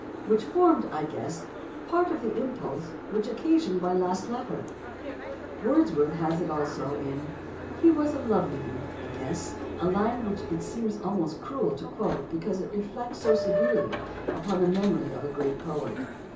664), "which formed, I guess, part of the impulse which occasioned my last letter." Wordsworth also has it in "He was a lovely youth, I guess," a line which it seems almost cruel to quote, 248 THE ORIGIN OF CERTAIN AMERICANISMS because it reflects so severely upon the memory of a great poet.